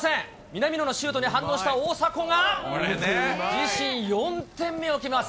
南野のシュートに反応した大迫が、自身４点目を決めます。